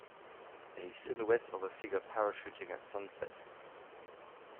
A silhouette of a figure parachuting at sunset.